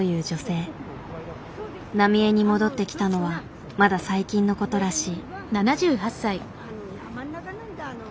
浪江に戻ってきたのはまだ最近のことらしい。